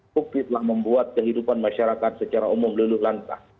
bukti telah membuat kehidupan masyarakat secara umum leluh lantah